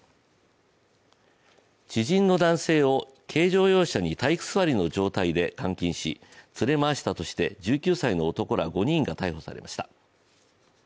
知人の男性を軽乗用車に体育座りの状態で監禁し連れ回したとして１９歳の男ら５人が逮捕されました。